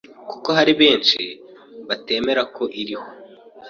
kuko hari benshi batemera ko iriho.